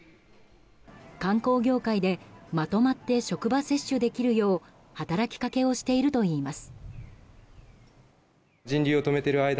観光業界でまとまって職場接種できるよう働きかけをしているといいます。